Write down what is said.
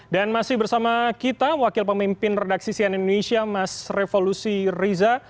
dan masih bersama kita wakil pemimpin redaksi sian indonesia mas revolusi riza